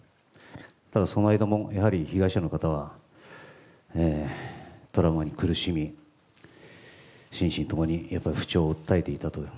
ただ、その間もやはり、被害者の方はトラウマに苦しみ、心身ともにやっぱり不調を訴えていたと。